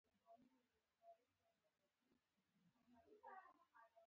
هدف یې د رایې ورکونې حق پراخوال نه و.